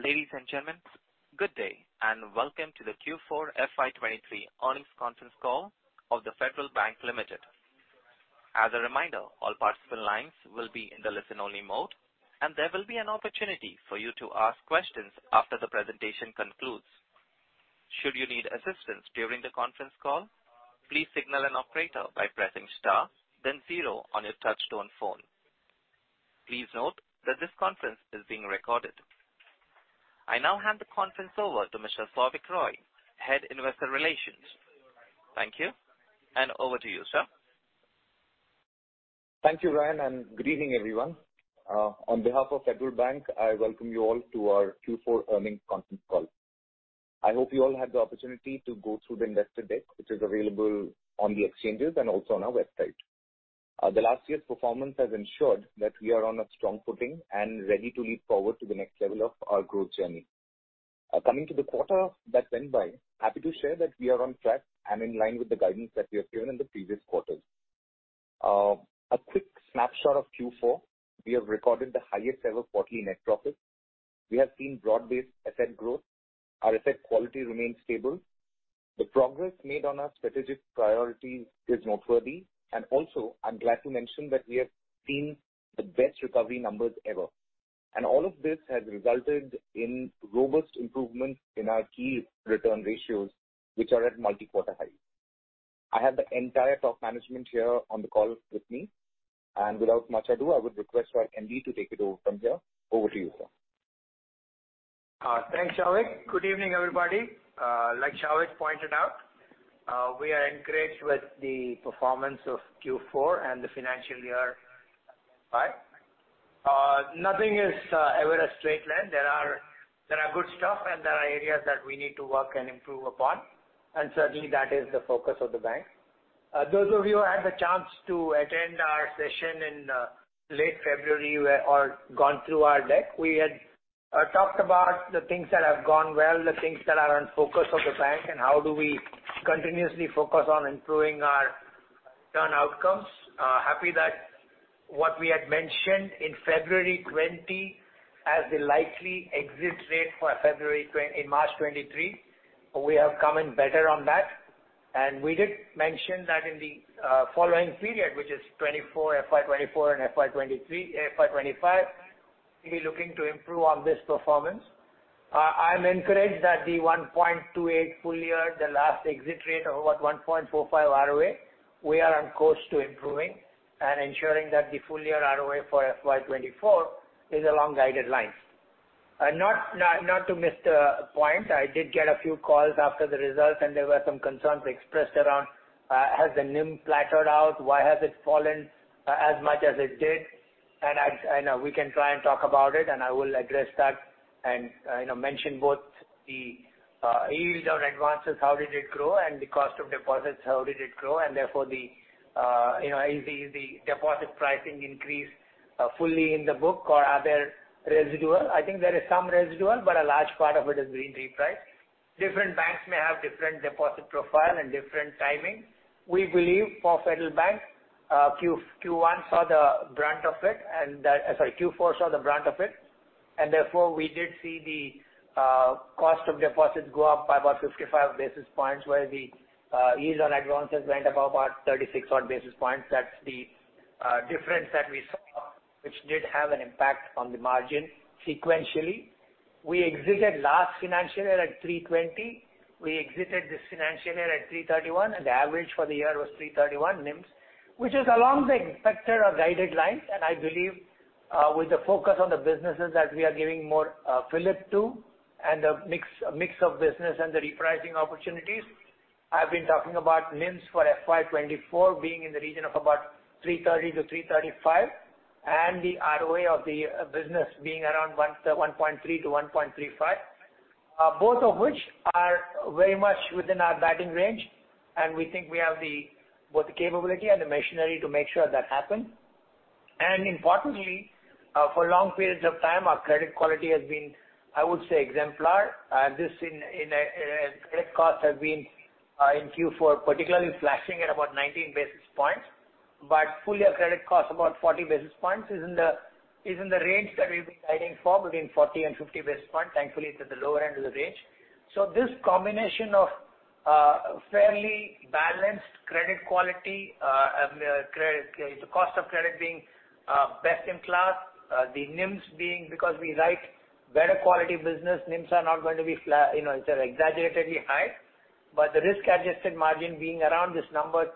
Ladies and gentlemen, good day, welcome to the Q4 FY 2023 earnings conference call of The Federal Bank Limited. As a reminder, all participant lines will be in the listen-only mode, and there will be an opportunity for you to ask questions after the presentation concludes. Should you need assistance during the conference call, please signal an operator by pressing star then zero on your touchtone phone. Please note that this conference is being recorded. I now hand the conference over to Mr. Souvik Roy, Head, Investor Relations. Thank you, over to you, sir. Thank you, Ryan, and good evening, everyone. On behalf of Federal Bank, I welcome you all to our Q4 earnings conference call. I hope you all had the opportunity to go through the investor deck, which is available on the exchanges and also on our website. The last year's performance has ensured that we are on a strong footing and ready to leap forward to the next level of our growth journey. Coming to the quarter that went by, happy to share that we are on track and in line with the guidance that we have given in the previous quarters. A quick snapshot of Q4, we have recorded the highest ever quarterly net profit. We have seen broad-based asset growth. Our asset quality remains stable. The progress made on our strategic priorities is noteworthy. Also, I'm glad to mention that we have seen the best recovery numbers ever. All of this has resulted in robust improvements in our key return ratios, which are at multi-quarter high. I have the entire top management here on the call with me. Without much ado, I would request our MD to take it over from here. Over to you, sir. Thanks, Souvik. Good evening, everybody. Like Souvik pointed out, we are encouraged with the performance of Q4 and the financial year five. Nothing is ever a straight line. There are good stuff, and there are areas that we need to work and improve upon, and certainly, that is the focus of the bank. Those of you who had the chance to attend our session in late February or gone through our deck, we had talked about the things that have gone well, the things that are on focus of the bank, and how do we continuously focus on improving our return outcomes. Happy that what we had mentioned in February 20 as the likely exit rate for February in March 23, we have come in better on that. We did mention that in the following period, which is 24, FY 2024 and FY 2025, we'll be looking to improve on this performance. I'm encouraged that the 1.28 full year, the last exit rate of about 1.45 ROA, we are on course to improving and ensuring that the full year ROA for FY 2024 is along guided lines. Not to miss the point, I did get a few calls after the results, and there were some concerns expressed around, has the NIM plateaued out? Why has it fallen as much as it did? We can try and talk about it, and I will address that and, you know, mention both the yield on advances, how did it grow, and the cost of deposits, how did it grow, and therefore, you know, is the deposit pricing increase fully in the book or are there residual? I think there is some residual, but a large part of it has been repriced. Different banks may have different deposit profile and different timing. We believe for Federal Bank, Q4 saw the brunt of it. Therefore, we did see the cost of deposits go up by about 55 basis points, where the yield on advances went up about 36 odd basis points. That's the difference that we saw, which did have an impact on the margin sequentially. We exited last financial year at 3.20. We exited this financial year at 3.31, and the average for the year was 3.31 NIMS, which is along the expected or guided lines. I believe, with the focus on the businesses that we are giving more fillip to and the mix of business and the repricing opportunities. I've been talking about NIMS for FY 2024 being in the region of about 3.30-3.35, and the ROA of the business being around 1.3-1.35. Both of which are very much within our guiding range, and we think we have both the capability and the machinery to make sure that happens. Importantly, for long periods of time, our credit quality has been, I would say, exemplar. This credit costs have been in Q4, particularly flashing at about 19 basis points. Full year credit costs about 40 basis points is in the range that we've been guiding for between 40 and 50 basis points. Thankfully, it's at the lower end of the range. This combination of fairly balanced credit quality, credit, the cost of credit being best in class, the NIMS being because we write better quality business, NIMS are not going to be you know, they're exaggeratedly high. The risk-adjusted margin being around this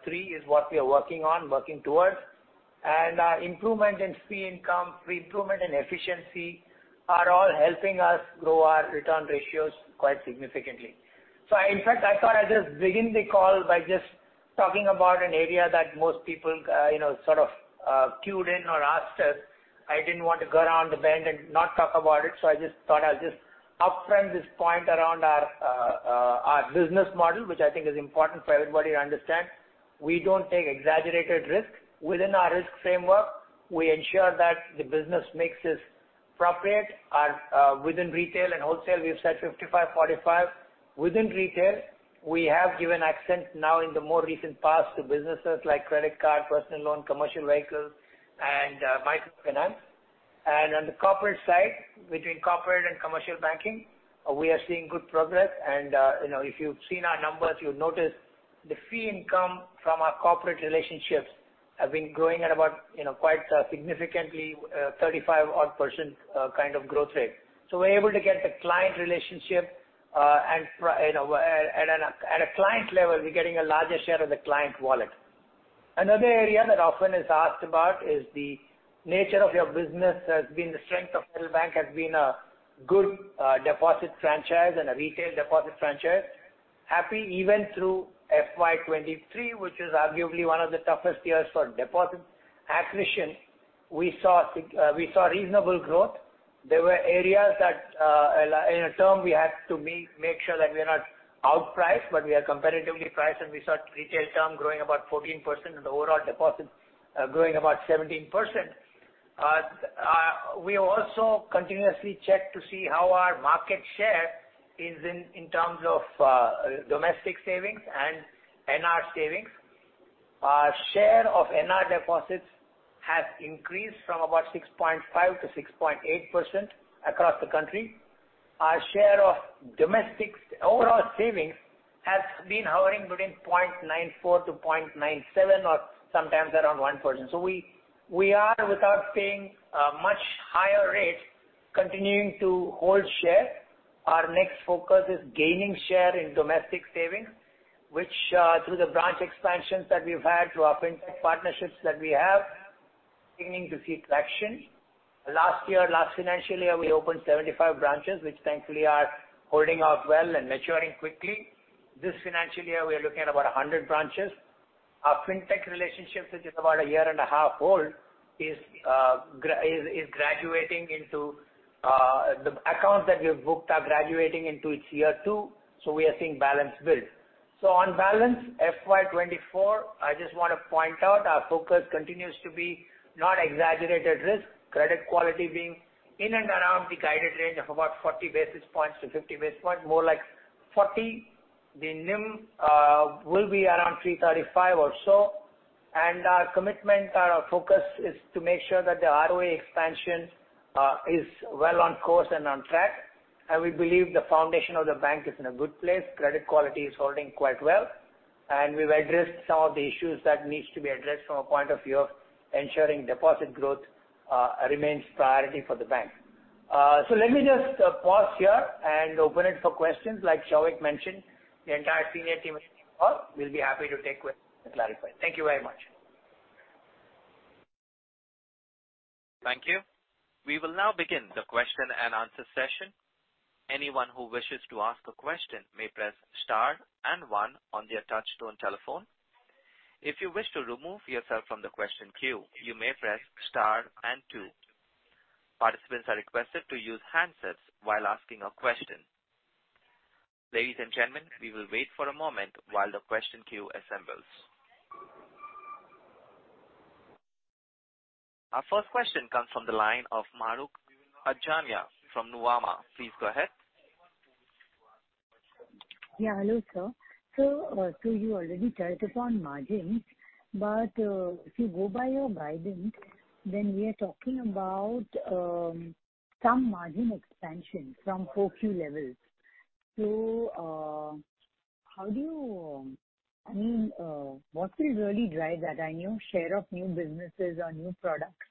three is what we are working on, working towards. Improvement in fee income, improvement in efficiency are all helping us grow our return ratios quite significantly. In fact, I thought I'd just begin the call by just talking about an area that most people, you know, sort of queued in or asked us. I didn't want to go around the bend and not talk about it, so I just thought I'll just upfront this point around our business model, which I think is important for everybody to understand. We don't take exaggerated risk. Within our risk framework, we ensure that the business mix is appropriate. Our within retail and wholesale, we've said 55/45. Within retail, we have given accent now in the more recent past to businesses like credit card, personal loan, Commercial Vehicles and microfinance. On the corporate side, between corporate and commercial banking, we are seeing good progress. You know, if you've seen our numbers, you'll notice the fee income from our corporate relationships have been growing at about, you know, quite significantly, 35% odd kind of growth rate. We're able to get the client relationship and, you know, at a, at a client level, we're getting a larger share of the client wallet. Another area that often is asked about is the nature of your business has been the strength of Federal Bank has been a good deposit franchise and a retail deposit franchise. Happy even through FY 2023, which is arguably one of the toughest years for deposit acquisition. We saw reasonable growth. There were areas that, in a term, we had to make sure that we are not outpriced, but we are competitively priced, and we saw retail term growing about 14% and the overall deposits, growing about 17%. We also continuously check to see how our market share is in terms of domestic savings and NR savings. Our share of NR deposits has increased from about 6.5%-6.8% across the country. Our share of domestic overall savings has been hovering between 0.94%-0.97% or sometimes around 1%. We, we are, without paying, much higher rates, continuing to hold share. Our next focus is gaining share in domestic savings, which, through the branch expansions that we've had through our fintech partnerships that we have, beginning to see traction. Last year, last financial year, we opened 75 branches, which thankfully are holding out well and maturing quickly. This financial year, we are looking at about 100 branches. Our fintech relationships, which is about a year and a half old, is graduating into the accounts that we have booked are graduating into its year two, so we are seeing balance build. On balance, FY 2024, I just wanna point out our focus continues to be not exaggerated risk, credit quality being in and around the guided range of about 40 basis points to 50 basis points, more like 40. The NIM will be around 3.35% or so. Our commitment, our focus is to make sure that the ROE expansion is well on course and on track. We believe the foundation of the bank is in a good place. Credit quality is holding quite well. We've addressed some of the issues that needs to be addressed from a point of view of ensuring deposit growth remains priority for the bank. Let me just pause here and open it for questions. Like Souvik mentioned, the entire senior team is here. We'll be happy to take questions and clarify. Thank you very much. Thank you. We will now begin the question and answer session. Anyone who wishes to ask a question may press star and one on their touchtone telephone. If you wish to remove yourself from the question queue, you may press star and two. Participants are requested to use handsets while asking a question. Ladies and gentlemen, we will wait for a moment while the question queue assembles. Our first question comes from the line of Mahrukh Adajania from Nuvama. Please go ahead. Hello, sir. You already touched upon margins. If you go by your guidance, we are talking about some margin expansion from Q4 levels. I mean, what will really drive that? I know share of new businesses or new products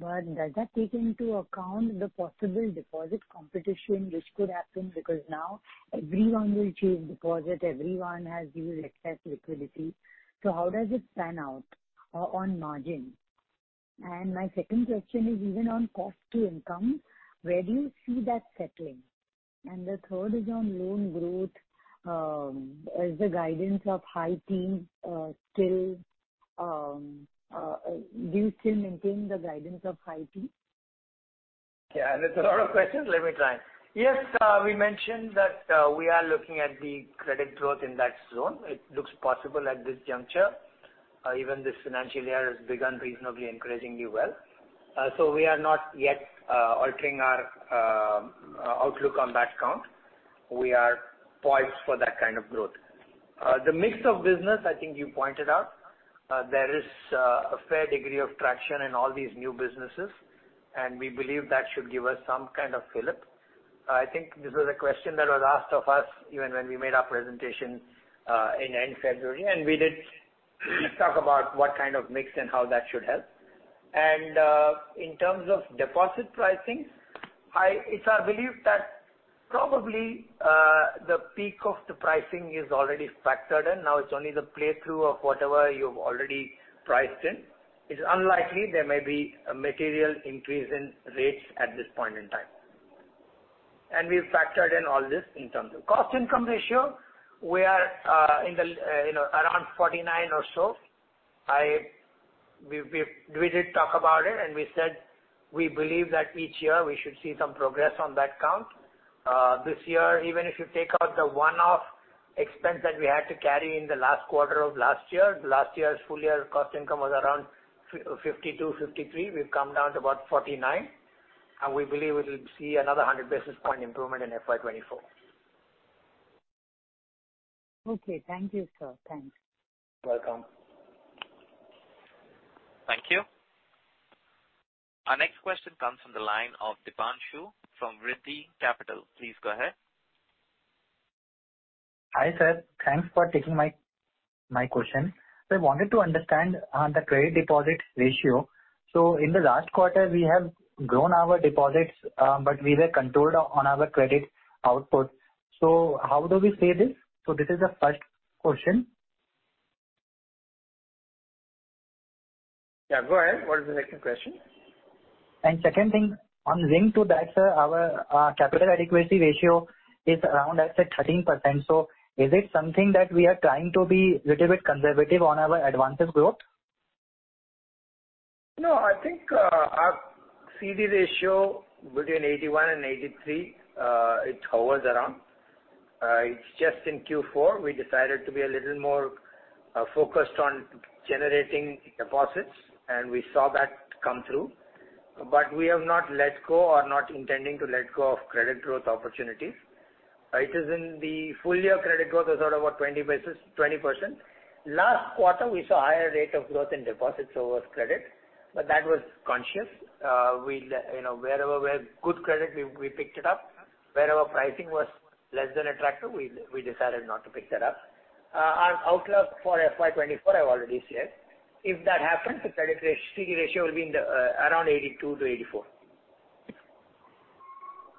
would. Does that take into account the possible deposit competition which could happen because now everyone will change deposit, everyone has the excess liquidity? How does it pan out on margin? My second question is even on cost to income, where do you see that settling? The third is on loan growth. Is the guidance of high-teen still, do you still maintain the guidance of high-teen? Yeah. That's a lot of questions. Let me try. Yes, we mentioned that we are looking at the credit growth in that zone. It looks possible at this juncture. Even this financial year has begun reasonably, encouragingly well. We are not yet altering our outlook on that count. We are poised for that kind of growth. The mix of business, I think you pointed out, there is a fair degree of traction in all these new businesses, and we believe that should give us some kind of fillip. I think this was a question that was asked of us even when we made our presentation in end February, and we did talk about what kind of mix and how that should help. In terms of deposit pricing, it's our belief that probably the peak of the pricing is already factored in. Now it's only the play through of whatever you've already priced in. It's unlikely there may be a material increase in rates at this point in time. We've factored in all this in terms of cost income ratio. We are, in the, you know, around 49 or so. We did talk about it, and we said we believe that each year we should see some progress on that count. This year, even if you take out the one-off expense that we had to carry in the last quarter of last year, last year's full year cost income was around 52, 53. We've come down to about 49, and we believe we will see another 100 basis point improvement in FY 2024. Okay. Thank you, sir. Thanks. Welcome. Thank you. Our next question comes from the line of Deepanshu from Riddhi Capital. Please go ahead. Hi, sir. Thanks for taking my question. I wanted to understand the Credit-Deposit Ratio. In the last quarter, we have grown our deposits, but we were controlled on our credit output. How do we see this? This is the first question. Yeah, go ahead. What is the second question? Second thing, on link to that, sir, our capital adequacy ratio is around, let's say, 13%. Is it something that we are trying to be little bit conservative on our advances growth? I think our CD ratio between 81 and 83, it hovers around. It's just in Q4, we decided to be a little more focused on generating deposits, we saw that come through. We have not let go or not intending to let go of credit growth opportunities. It is in the full year credit growth is at about 20%. Last quarter, we saw higher rate of growth in deposits over credit, that was conscious. We, you know, wherever we have good credit, we picked it up. Wherever pricing was less than attractive, we decided not to pick that up. Our outlook for FY 2024, I've already said. If that happens, the credit ratio, CD ratio will be in the around 82-84.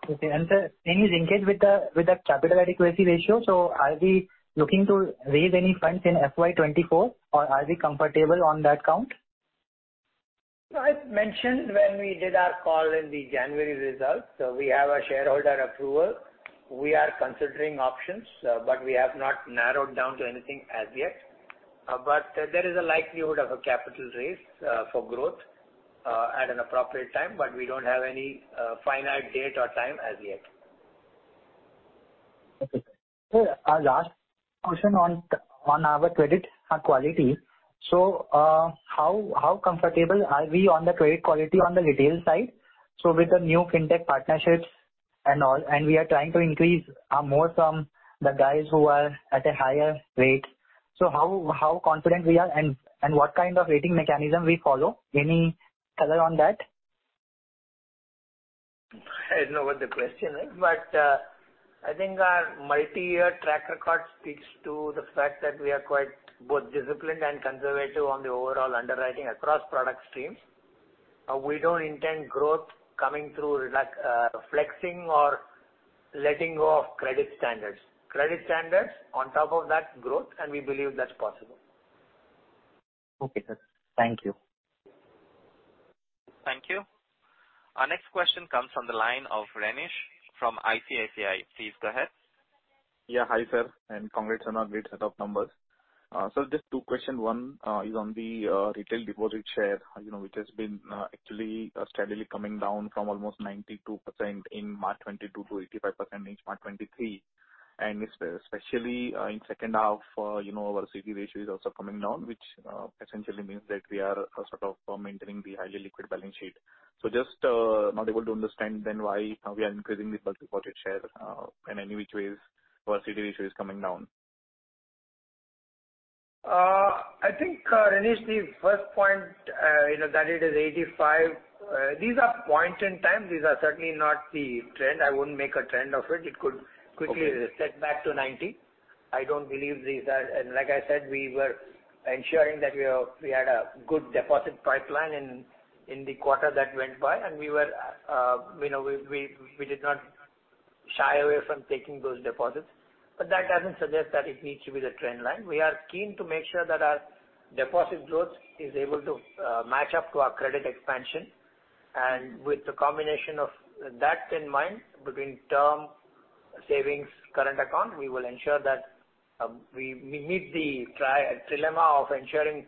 Okay. Sir, any linkage with the, with the capital adequacy ratio? Are we looking to raise any funds in FY 2024 or are we comfortable on that count? I mentioned when we did our call in the January results. We have a shareholder approval. We are considering options, but we have not narrowed down to anything as yet. But there is a likelihood of a capital raise, for growth, at an appropriate time, but we don't have any finite date or time as yet. Okay. Our last question on our credit quality. How comfortable are we on the credit quality on the retail side? With the new Fintech partnerships and all, we are trying to increase more from the guys who are at a higher rate. How confident we are and what kind of rating mechanism we follow? Any color on that? I don't know what the question is, but, I think our multi-year track record speaks to the fact that we are quite both disciplined and conservative on the overall underwriting across product streams. We don't intend growth coming through flexing or letting go of credit standards. Credit standards on top of that growth, we believe that's possible. Okay, sir. Thank you. Thank you. Our next question comes from the line of Renish from ICICI. Please go ahead. Yeah. Hi, sir, and congrats on a great set of numbers. Just two question. One, is on the retail deposit share, you know, which has been actually steadily coming down from almost 92% in March 2022 to 85% in March 2023. Especially, in second half, you know, our CD Ratio is also coming down, which essentially means that we are sort of maintaining the highly liquid balance sheet. Just not able to understand then why we are increasing the bulk deposit share, and in which ways our CD Ratio is coming down. I think, Renish, the first point, you know, that it is 85. These are point in time. These are certainly not the trend. I wouldn't make a trend of it. Okay. quickly set back to 90. I don't believe these are... Like I said, we were ensuring that we had a good deposit pipeline in the quarter that went by, and we were, you know, we did not shy away from taking those deposits. That doesn't suggest that it needs to be the trend line. We are keen to make sure that our deposit growth is able to match up to our credit expansion. With the combination of that in mind, between term, savings, current account, we will ensure that we meet the tri-dilemma of ensuring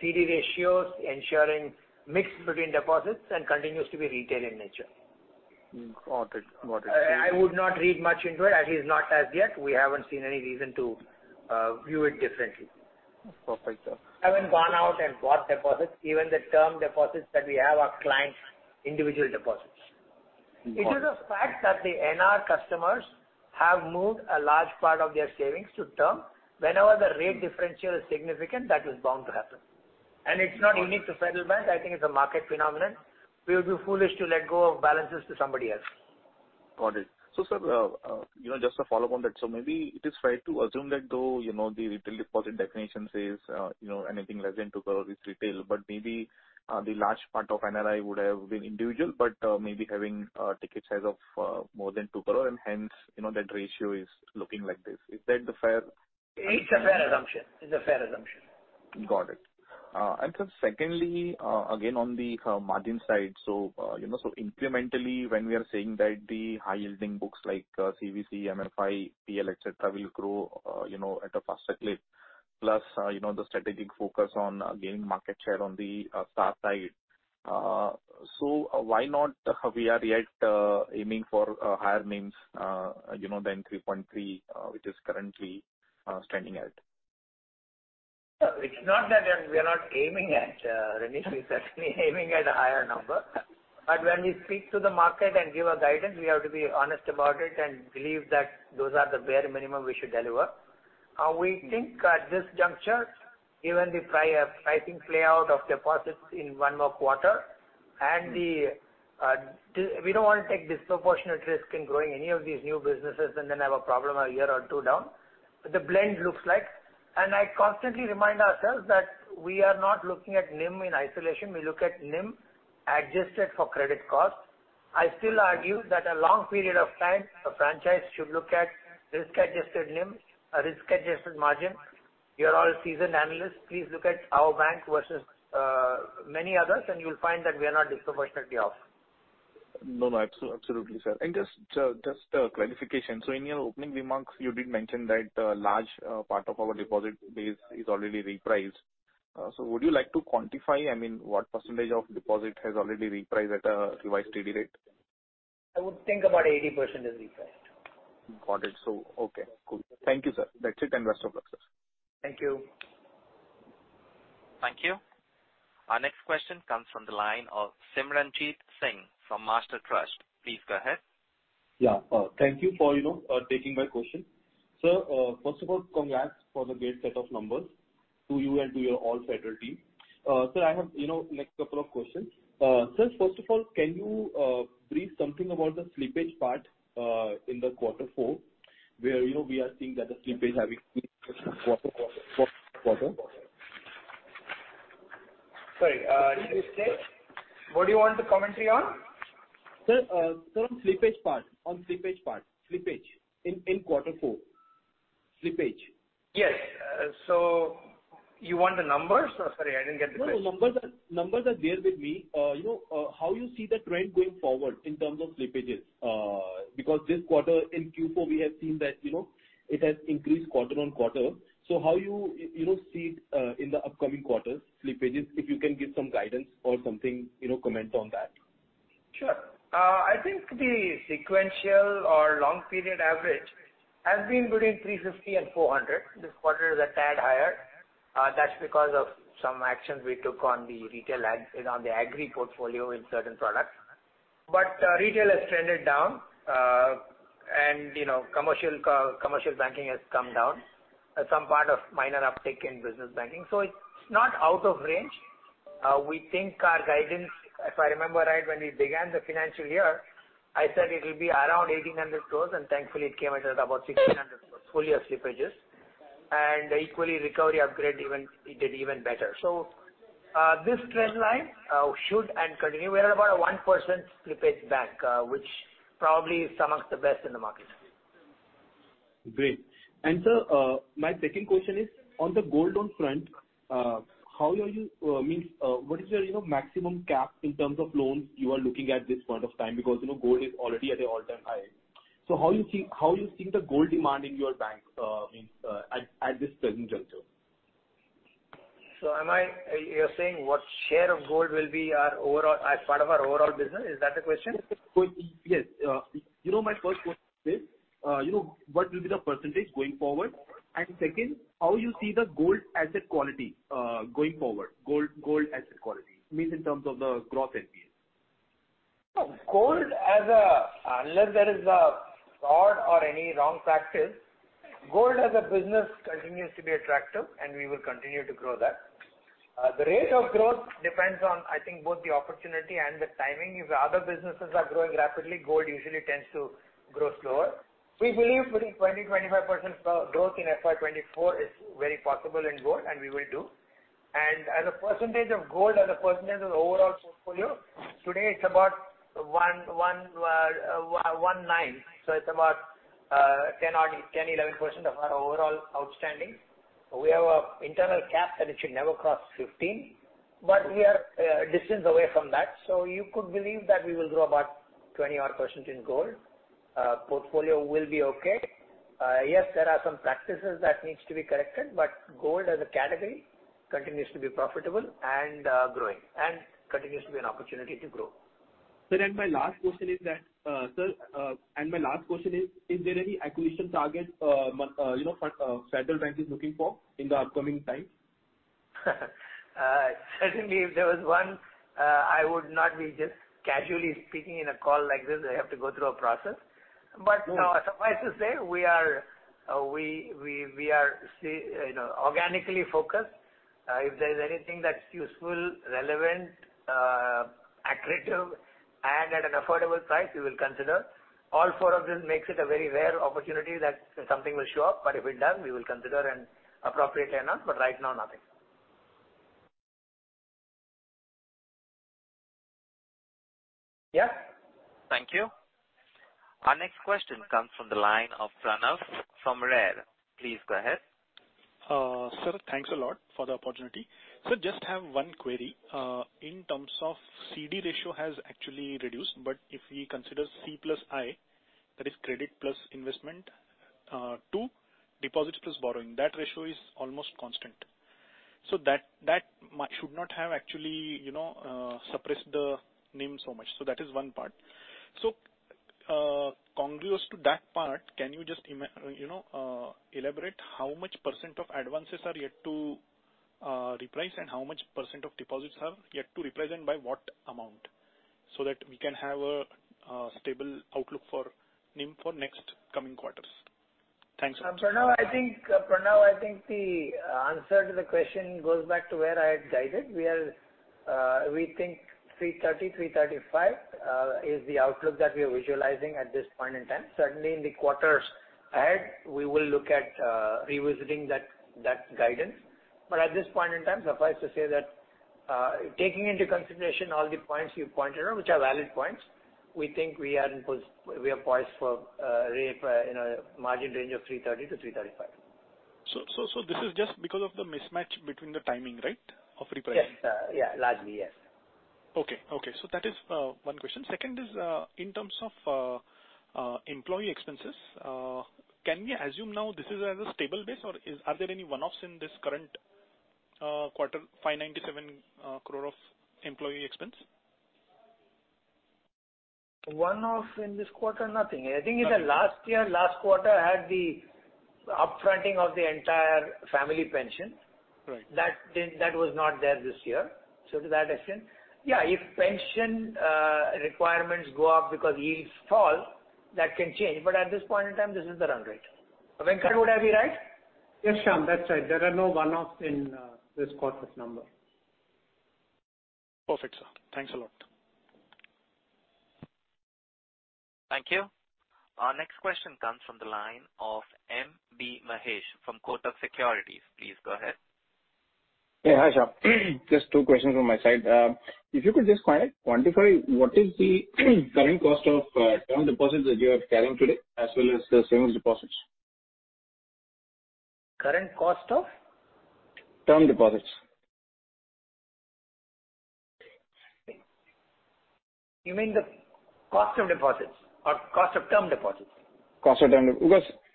CD ratios, ensuring mix between deposits and continues to be retail in nature. Got it. Got it. I would not read much into it. At least not as yet. We haven't seen any reason to view it differently. Perfect, sir. Haven't gone out and bought deposits. Even the term deposits that we have are clients' individual deposits. Got it. It is a fact that the NR customers have moved a large part of their savings to term. Whenever the rate differential is significant, that is bound to happen. Got it. It's not unique to Federal Bank. I think it's a market phenomenon. We would be foolish to let go of balances to somebody else. Got it. Sir, you know, just a follow on that. Maybe it is fair to assume that though, you know, the retail deposit definition says, you know, anything less than 2 crore is retail, but maybe, the large part of NRI would have been individual, but maybe having a ticket size of more than 2 crore, and hence, you know, that ratio is looking like this. Is that the fair assumption? It's a fair assumption. It's a fair assumption. Got it. sir, secondly, again, on the margin side. you know, so incrementally when we are saying that the high-yielding books like CVC, MFI, PL, et cetera, will grow, you know, at a faster clip, plus, you know, the strategic focus on gaining market share on the star side. why not we are yet aiming for higher NIMs, you know, than 3.3%, which is currently standing at? It's not that we are not aiming at Ramesh. We're certainly aiming at a higher number. When we speak to the market and give a guidance, we have to be honest about it and believe that those are the bare minimum we should deliver. We think at this juncture, given the pricing play out of deposits in one more quarter and we don't wanna take disproportionate risk in growing any of these new businesses and then have a problem a year or two down. The blend looks like. I constantly remind ourselves that we are not looking at NIM in isolation. We look at NIM adjusted for credit costs. I still argue that a long period of time, a franchise should look at risk-adjusted NIM, a risk-adjusted margin. You are all seasoned analysts. Please look at our bank versus many others. You'll find that we are not disproportionately off. No, no. Absolutely, sir. Just a clarification. In your opening remarks, you did mention that a large part of our deposit base is already repriced. Would you like to quantify, I mean, what % of deposit has already repriced at a revised TD rate? I would think about 80% is repriced. Got it. Okay, cool. Thank you, sir. That's it, and rest all the best. Thank you. Thank you. Our next question comes from the line of Simranjeet Singh from Master Trust. Please go ahead. Yeah. Thank you for, you know, taking my question. Sir, first of all, congrats for the great set of numbers to you and to your all Federal team. Sir, I have, you know, next couple of questions. Sir, first of all, can you brief something about the slippage part in the Q4, where, you know, we are seeing that the slippage having quarter? Sorry, did you say? What do you want the commentary on? Sir, on slippage part. On slippage part. Slippage in Q4. Slippage. Yes. You want the numbers? No, sorry, I didn't get the question. No, no. Numbers are there with me. You know, how you see the trend going forward in terms of slippages? Because this quarter, in Q4, we have seen that, you know, it has increased quarter-on-quarter. How you know, see, in the upcoming quarters, slippages, if you can give some guidance or something, you know, comment on that. Sure. I think the sequential or long period average has been between 350 and 400. This quarter is a tad higher. That's because of some actions we took on the retail, you know, on the agri portfolio in certain products. Retail has trended down. You know, commercial banking has come down. Some part of minor uptick in business banking. It's not out of range. We think our guidance, if I remember right, when we began the financial year, I said it will be around 1,800 crore, and thankfully it came at about 1,600 crore, full year slippages. Equally, recovery upgrade even, it did even better. This trend line should and continue. We are about a 1% slippage back, which probably is amongst the best in the market. Great. sir, my second question is on the gold loan front, how are you, means, what is your, you know, maximum cap in terms of loans you are looking at this point of time? Because, you know, gold is already at an all-time high. how you think the gold demand in your bank, means, at this present juncture? You're saying what share of gold will be our overall, as part of our overall business? Is that the question? Yes. you know, my first question is, you know, what will be the % going forward? Second, how you see the gold asset quality, going forward? Gold asset quality, means in terms of the gross NPA. Gold, unless there is a fraud or any wrong practice, gold as a business continues to be attractive, and we will continue to grow that. The rate of growth depends on, I think, both the opportunity and the timing. If the other businesses are growing rapidly, gold usually tends to grow slower. We believe between 20%-25% growth in FY 2024 is very possible in gold, and we will do. As a percentage of gold, as a percentage of the overall portfolio, today it's about, so it's about 10% or 11% of our overall outstanding. We have an internal cap that it should never cross 15, but we are a distance away from that. You could believe that we will grow about 20 odd % in gold. Portfolio will be okay. Yes, there are some practices that needs to be corrected, but gold as a category continues to be profitable and growing and continues to be an opportunity to grow. Sir, my last question is there any acquisition target, you know, Federal Bank is looking for in the upcoming time? Certainly, if there was one, I would not be just casually speaking in a call like this. I have to go through a process. No. Suffice to say, we are, you know, organically focused. If there's anything that's useful, relevant, accretive, and at an affordable price, we will consider. All four of them makes it a very rare opportunity that something will show up, but if it does, we will consider and appropriately announce. Right now, nothing. Yeah? Thank you. Our next question comes from the line of Pranav from Red. Please go ahead. Sir, thanks a lot for the opportunity. Sir, just have one query. In terms of CD Ratio has actually reduced, but if we consider C plus I, that is credit plus investment, to deposit plus borrowing, that ratio is almost constant. That, that should not have actually, you know, suppressed the NIM so much. That is one part. Congruous to that part, can you just, you know, elaborate how much % of advances are yet to reprice and how much % of deposits are yet to reprice and by what amount so that we can have a stable outlook for NIM for next coming quarters? Thanks. For now, I think, for now I think the answer to the question goes back to where I had guided. We are, we think 330, 335 is the outlook that we are visualizing at this point in time. Certainly in the quarters ahead, we will look at revisiting that guidance. At this point in time, suffice to say that, taking into consideration all the points you pointed out, which are valid points, we think we are poised for, rate, you know, margin range of 330 to 335. This is just because of the mismatch between the timing, right, of repricing. Yes. yeah. Largely, yes. Okay. Okay. That is one question. Second is, in terms of employee expenses, can we assume now this is as a stable base, or are there any one-offs in this current quarter, 597 crore of employee expense? One-off in this quarter? Nothing. Okay. I think in the last year, last quarter had the upfronting of the entire family pension. Right. That didn't, that was not there this year. To that extent, yeah, if pension requirements go up because yields fall, that can change. At this point in time, this is the run rate. Venkat, would I be right? Yes, Shyam. That's right. There are no one-off in this quarter's number. Perfect, sir. Thanks a lot. Thank you. Our next question comes from the line of M. B. Mahesh from Kotak Securities. Please go ahead. Hi, Shyam. Just two questions on my side. If you could just quantify what is the current cost of term deposits that you are carrying today, as well as the savings deposits. Current cost of? Term deposits. You mean the cost of deposits or cost of term deposits? Cost of term.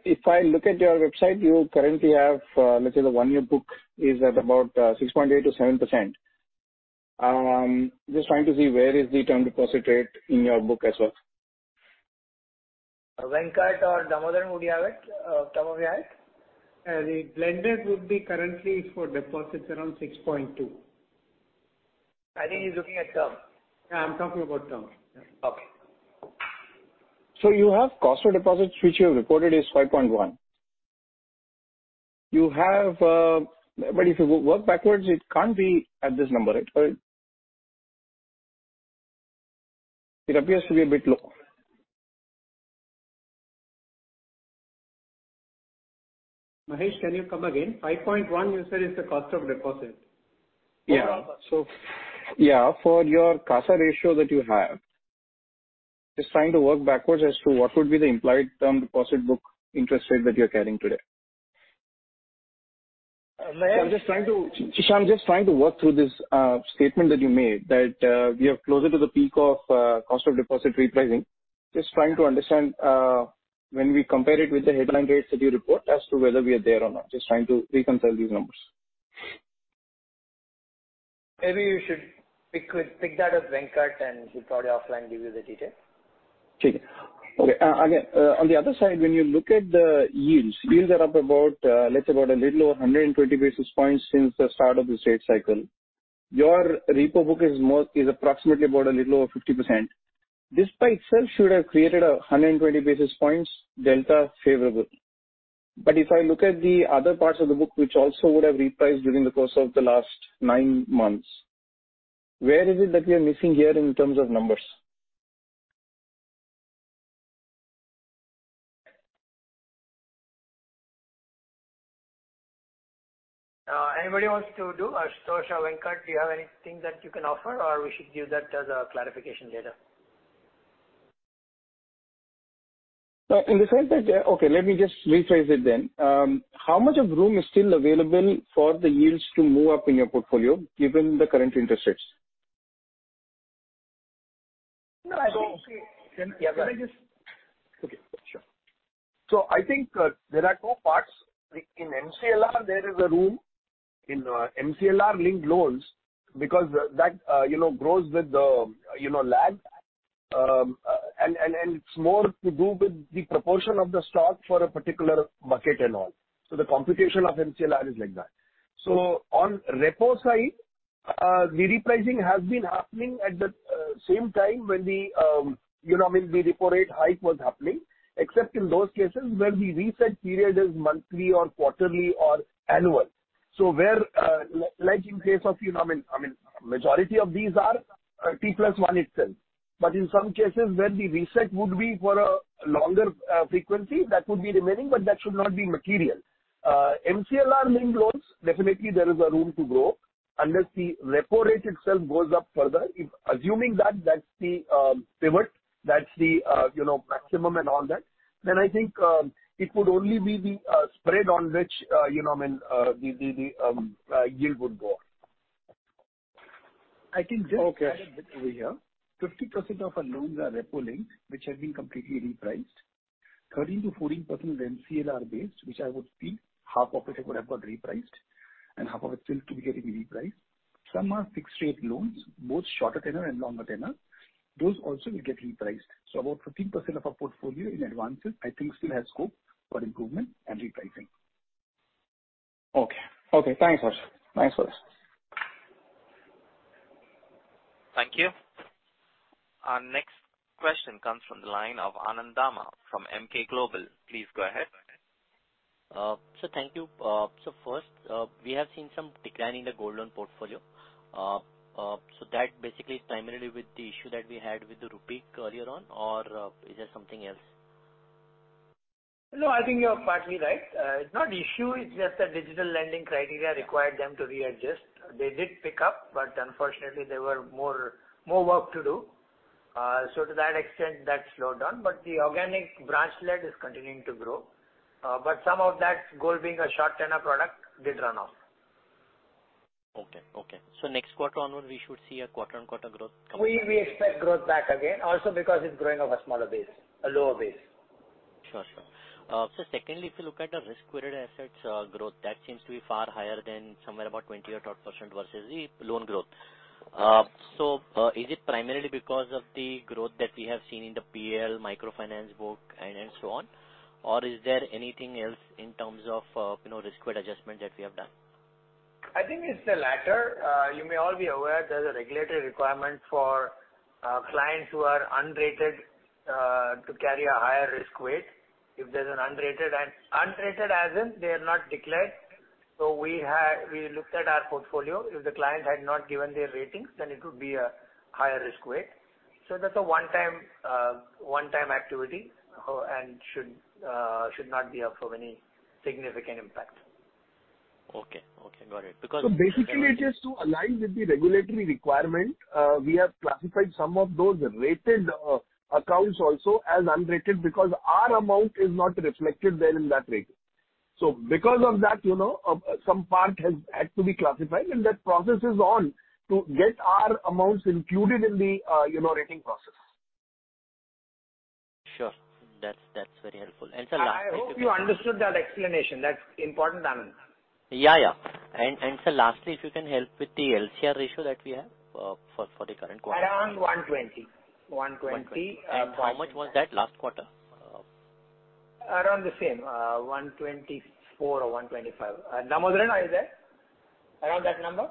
If I look at your website, you currently have, let's say the one-year book is at about, 6.8%- 7%. Just trying to see where is the term deposit rate in your book as well. Venkat or Damodaran, would you have it, some of your ads? The blended would be currently for deposits around 6.2. I think he's looking at term. Yeah, I'm talking about term. Yeah. Okay. You have cost of deposits, which you have reported is 5.1%. You have... If you work backwards, it can't be at this number, right? It appears to be a bit low. Mahesh, can you come again? 5.1% you said is the cost of deposit. Yeah. Total. Yeah, for your CASA ratio that you have, just trying to work backwards as to what would be the implied term deposit book interest rate that you're carrying today. Mahesh- Shyam, I'm just trying to work through this statement that you made that we are closer to the peak of cost of deposit repricing. Just trying to understand when we compare it with the headline rates that you report as to whether we are there or not. Just trying to reconcile these numbers. Maybe you should pick that with Venkat. He'll probably offline give you the detail. Okay. Again, on the other side, when you look at the yields are up about, let's say about a little over 120 basis points since the start of this rate cycle. Your repo book is approximately about a little over 50%. This by itself should have created a 120 basis points delta favorable. If I look at the other parts of the book, which also would have repriced during the course of the last 9 months, where is it that we are missing here in terms of numbers? Anybody wants to do? Ashutosh or Venkat, do you have anything that you can offer or we should give that as a clarification later? Let me just rephrase it then. How much of room is still available for the yields to move up in your portfolio given the current interest rates? So- Yeah, go. Can I just... Okay, sure. I think, there are two parts. In MCLR, there is a room in MCLR-linked loans because that, you know, grows with the, you know, lag. It's more to do with the proportion of the stock for a particular bucket and all. The computation of MCLR is like that. On repo side, the repricing has been happening at the same time when the, you know, when the repo rate hike was happening, except in those cases where the reset period is monthly or quarterly or annual. Where, like in case of, you know, I mean, majority of these are T plus one itself. In some cases where the reset would be for a longer frequency, that would be remaining, but that should not be material. MCLR-linked loans, definitely there is a room to grow unless the repo rate itself goes up further. If assuming that's the pivot, that's the, you know, maximum and all that, then I think, it would only be the spread on which, you know, when the yield would go up. I can just- Okay. Add a bit over here. 50% of our loans are repo-linked, which have been completely repriced. Thirteen to 14% of MCLR base, which I would see half of it would have got repriced and half of it still to be getting repriced. Some are fixed rate loans, both shorter tenor and longer tenor. Those also will get repriced. So about 15% of our portfolio in advances, I think still has scope for improvement and repricing. Okay. Okay. Thanks a lot. Thanks a lot. Thank you. Our next question comes from the line of Anand Dama from Emkay Global. Please go ahead. Sir, thank you. First, we have seen some decline in the gold loan portfolio. That basically is primarily with the issue that we had with the rupee earlier on or, is there something else? No, I think you're partly right. It's not the issue, it's just that digital lending criteria required them to readjust. They did pick up, but unfortunately there were more work to do. To that extent, that slowed down. The organic branch lead is continuing to grow. Some of that gold being a short tenor product did run off. Okay. Okay. Next quarter onward, we should see a quarter-on-quarter growth coming. We expect growth back again. Also because it's growing off a smaller base, a lower base. Sure. Sure. Secondly, if you look at the risk-weighted assets growth, that seems to be far higher than somewhere about 20 odd % versus the loan growth. Is it primarily because of the growth that we have seen in the PL microfinance book and so on? Or is there anything else in terms of, you know, risk-weighted adjustment that we have done? I think it's the latter. You may all be aware there's a regulatory requirement for clients who are unrated to carry a higher risk weight. If there's an unrated. Unrated as in they are not declared. We looked at our portfolio. If the client had not given their ratings, then it would be a higher risk weight. That's a one-time activity and should not be of any significant impact. Okay. Okay. Got it. Basically it is to align with the regulatory requirement. We have classified some of those rated accounts also as unrated because our amount is not reflected there in that rating. Because of that, you know, some part has had to be classified and that process is on to get our amounts included in the, you know, rating process. Sure. That's very helpful. Sir lastly- I hope you understood that explanation. That's important, Anand. Yeah. Yeah. Sir, lastly, if you can help with the LCR ratio that we have for the current quarter. Around 120. 120. 120. How much was that last quarter? Around the same. 124 or 125. Namodren, are you there? Around that number?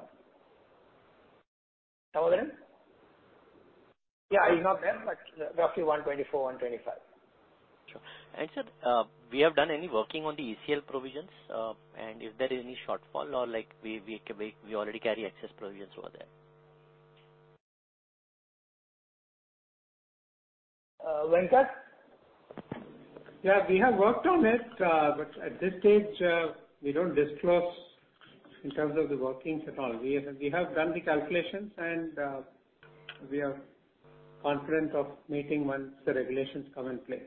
Namodren? Yeah, he's not there, but roughly 124, 125. Sure. Sir, we have done any working on the ECL provisions, and if there is any shortfall or like we already carry excess provisions over there? Venkat. We have worked on it. At this stage, we don't disclose in terms of the workings at all. We have done the calculations. We are confident of meeting once the regulations come in play.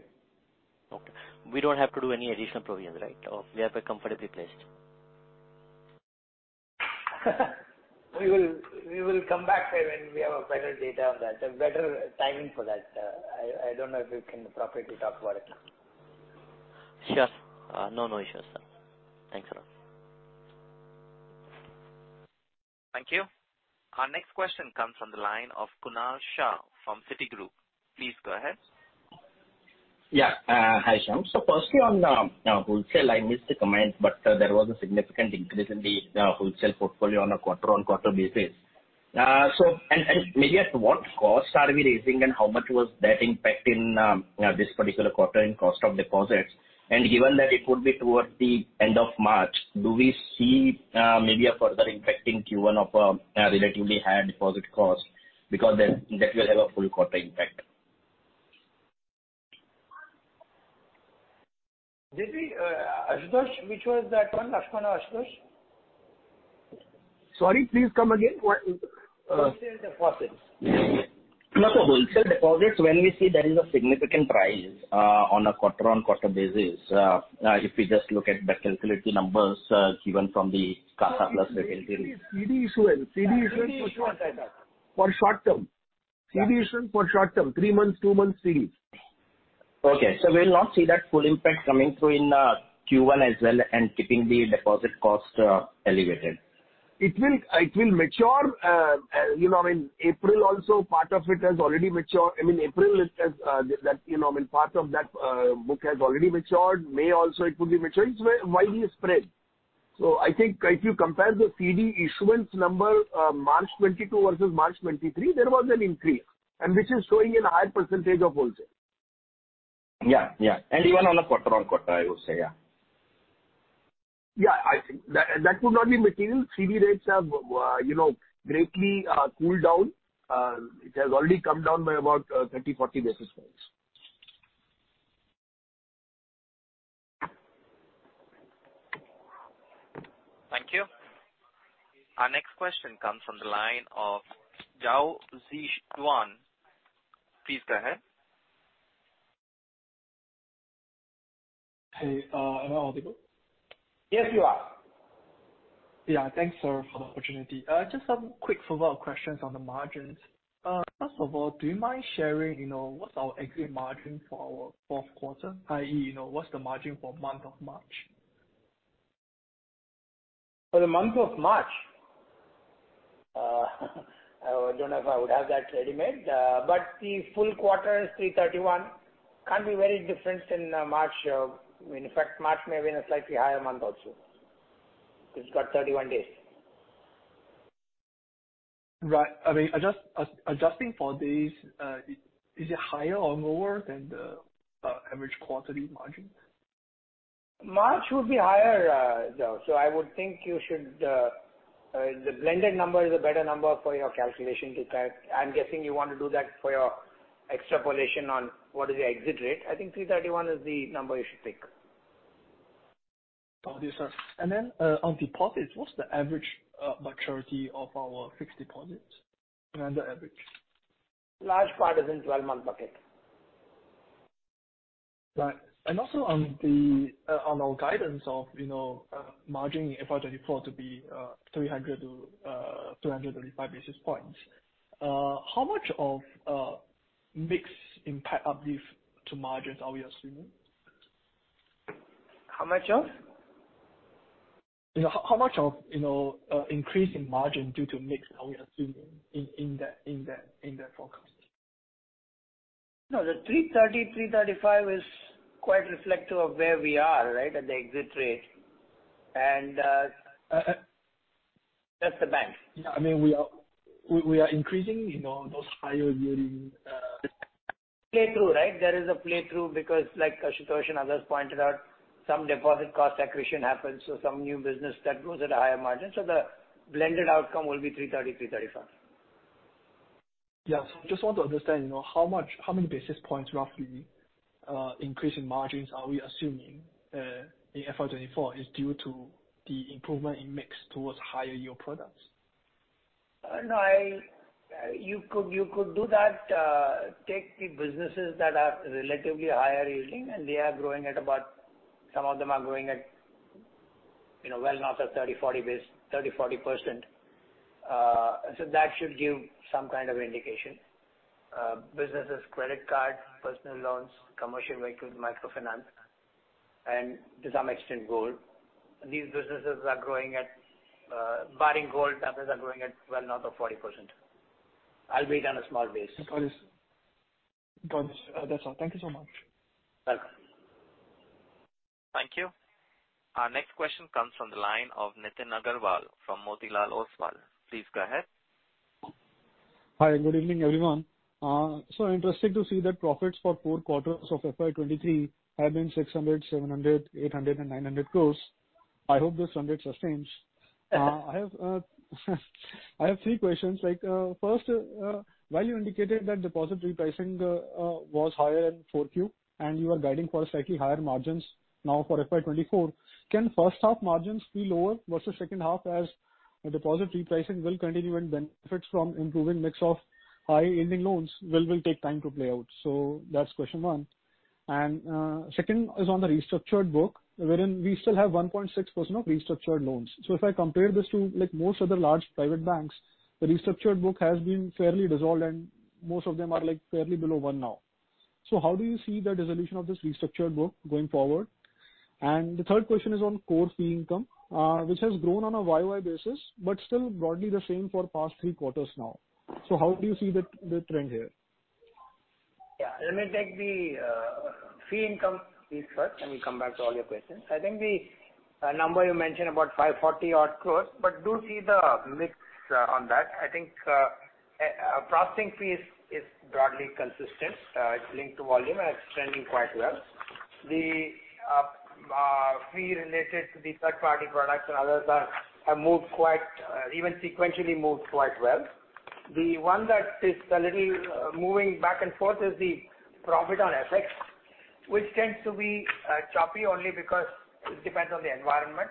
Okay. We don't have to do any additional provisions, right? We are comfortably placed. We will come back, say, when we have a better data on that, a better timing for that. I don't know if we can properly talk about it now. Sure. No issues, sir. Thanks a lot. Thank you. Our next question comes from the line of Kunal Shah from Citigroup. Please go ahead. Hi, Shyam. Firstly on wholesale, I missed the comment, there was a significant increase in the wholesale portfolio on a quarter-on-quarter basis. Maybe at what cost are we raising and how much was that impact in this particular quarter in cost of deposits? Given that it would be towards the end of March, do we see maybe a further impact in Q1 of a relatively higher deposit cost because then that will have a full quarter impact. Did we, Ashutosh, which was that one? Ashwan or Ashutosh? Sorry, please come again. Wholesale deposits. Wholesale deposits, when we see there is a significant rise, on a quarter-on-quarter basis, if we just look at the calculated numbers, given from the CD issuance. CD issuance for short term. CD issuance for short term. three months, two months CDs. Okay. We'll not see that full impact coming through in Q1 as well and keeping the deposit cost elevated. It will mature, you know what I mean, April also part of it has already matured. I mean, April it has, that, you know, I mean, part of that, book has already matured. May also it would be matured. It's widely spread. I think if you compare the CD issuance number, March 2022 versus March 2023, there was an increase, and which is showing in a higher % of wholesale. Yeah. Yeah. even on a quarter-on-quarter, I would say, yeah. Yeah. I think that would not be material. CD rates have, you know, greatly, cooled down. It has already come down by about, 30, 40 basis points. Thank you. Our next question comes from the line of Zhao Ziran. Please go ahead. Hey, am I audible? Yes, you are. Yeah. Thanks, sir, for the opportunity. Just some quick follow-up questions on the margins. First of all, do you mind sharing, you know, what's our exit margin for our Q4, i.e., you know, what's the margin for month of March? For the month of March? I don't know if I would have that ready-made. The full quarter is 331. Can't be very different in March. March may have been a slightly higher month also. It's got 31 days. Right. I mean, adjusting for days, is it higher or lower than the average quarterly margin? March would be higher, though. I would think you should, the blended number is a better number for your calculation, because I'm guessing you wanna do that for your extrapolation on what is the exit rate. I think 331 is the number you should pick. Got it, sir. On deposits, what's the average maturity of our fixed deposits? Grand average. Large part is in twelve-month bucket. Right. Also on the, on our guidance of, you know, margin FY 2024 to be, 300-335 basis points. How much of, mix impact uplift to margins are we assuming? How much of? You know, how much of, you know, increase in margin due to mix are we assuming in that forecast? No, the 330, 335 is quite reflective of where we are, right, at the exit rate. That's the bank. Yeah. I mean, we are increasing, you know, those higher yielding. Play through, right? There is a play through because like Ashutosh and others pointed out, some deposit cost accretion happens, so some new business that grows at a higher margin. The blended outcome will be 3.30%-3.35%. Just want to understand, you know, how much, how many basis points roughly, increase in margins are we assuming in FY 2024 is due to the improvement in mix towards higher yield products? No, you could do that. Take the businesses that are relatively higher yielding, and they are growing at about, some of them are growing at, you know, well north of 30, 40 base, 30, 40%. That should give some kind of indication. Businesses, credit card, personal loans, Commercial Vehicles, microfinance, and to some extent, gold. These businesses are growing at, barring gold, others are growing at well north of 40%. I'll wait on a small base. Got it. Got it. That's all. Thank you so much. Welcome. Thank you. Our next question comes from the line of Nitin Aggarwal from Motilal Oswal. Please go ahead. Hi, good evening, everyone. Interesting to see that profits for Q4 of FY 2023 have been 600 crore, 700 crore, 800 crore, and 900 crore. I hope this trend sustains. I have three questions. First, while you indicated that deposit repricing was higher in Q4, and you are guiding for slightly higher margins now for FY 2024, can first half margins be lower versus second half, as the deposit repricing will continue and benefits from improving mix of high yielding loans will take time to play out? That's question one. Second is on the restructured book, wherein we still have 1.6% of restructured loans. If I compare this to, like, most other large private banks, the restructured book has been fairly dissolved, and most of them are, like, fairly below one now. How do you see the dissolution of this restructured book going forward? The third question is on core fee income, which has grown on a year-over-year basis but still broadly the same for past Q3 now. How do you see the trend here? Yeah. Let me take the fee income piece first, and we come back to all your questions. I think the number you mentioned about 540 odd crores, but do see the mix on that. I think processing fees is broadly consistent. It's linked to volume and it's trending quite well. The fee related to the third party products and others have moved quite even sequentially moved quite well. The one that is a little moving back and forth is the profit on FX, which tends to be choppy only because it depends on the environment.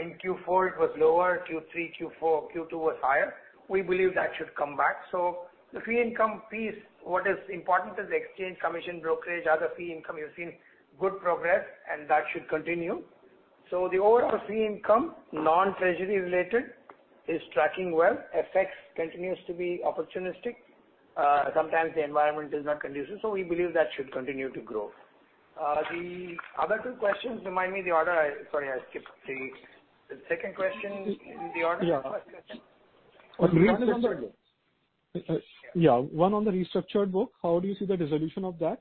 In Q4 it was lower. Q3, Q4, Q2 was higher. We believe that should come back. The fee income piece, what is important is the exchange, commission, brokerage, other fee income, you've seen good progress and that should continue. The overall fee income, non-treasury related, is tracking well. FX continues to be opportunistic. Sometimes the environment is not conducive. We believe that should continue to grow. The other two questions, remind me the other. Sorry, I skipped. The second question, the order of the first question. Yeah. One on the restructured book. Yeah. One on the restructured book. How do you see the dissolution of that?